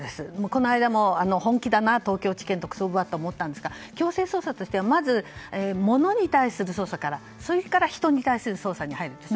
この間も本気だな東京地検特捜部はと思ったんですが強制捜査としてはまず、ものに対する捜査から人の捜査に入るんです。